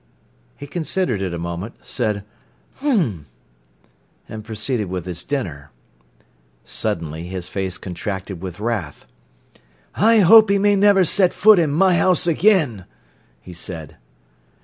He considered it a moment, said "H'm!" and proceeded with his dinner. Suddenly his face contracted with wrath. "I hope he may never set foot i' my house again," he said.